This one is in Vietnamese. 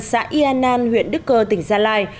xã ia nan huyện đức cơ tỉnh gia lai